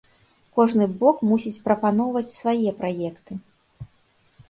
Кожны бок мусіць прапаноўваць свае праекты.